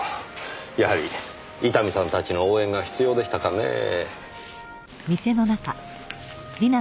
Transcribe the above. やはり伊丹さんたちの応援が必要でしたかねぇ。